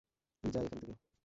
তুই যা এখান থেকে।